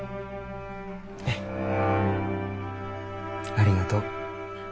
ありがとう。